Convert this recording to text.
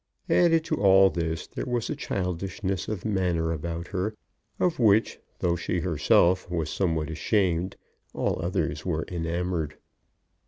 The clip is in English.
Added to all this there was a childishness of manner about her of which, though she herself was somewhat ashamed, all others were enamoured.